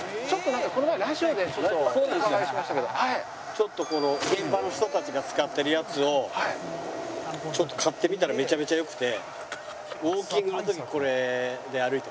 ちょっとこの現場の人たちが使ってるやつを買ってみたらめちゃめちゃ良くて。